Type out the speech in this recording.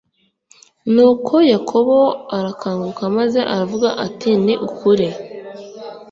nuko yakobo arakanguka maze aravuga ati ni ukuri